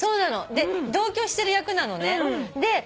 同居してる役なのね。